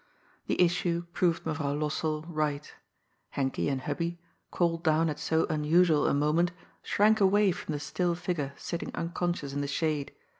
The issue proved Mevrouw Lossell right. Henkie and Hubbie, called down at so unusual a moment, shrank away from the still figure sitting unconscious in the shade.